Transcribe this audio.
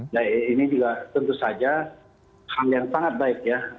nah ini juga tentu saja hal yang sangat baik ya